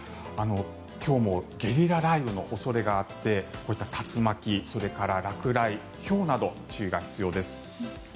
今日もゲリラ雷雨の恐れがあってこういった竜巻それから落雷、ひょうなど注意が必要です。